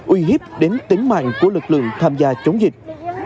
uy hiếp đến tính mạng của lực lượng tham gia chống dịch